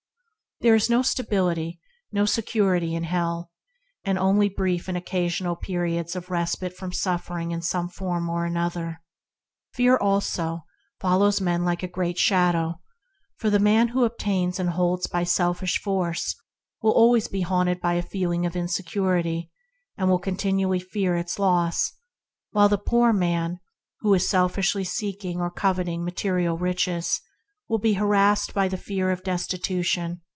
There is no stability, no security, in hell, and only brief and occasional periods of respite from suffering in some form or other. Fear, also, follows men like a great shadow, for the man who obtains and holds by selfish force will be haunted by a feeling of insecurity, continually fearing loss; while the poor man, who is selfishly seeking or covet ing material riches, will be harrassed by the fear of destitution.